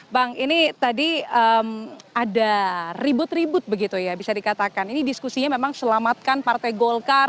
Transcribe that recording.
bang ini tadi ada ribut ribut begitu ya bisa dikatakan ini diskusinya memang selamatkan partai golkar